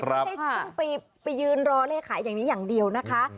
ไม่ต้องไปยืนรอเลขขายอย่างนี้อย่างเดียวนะคะ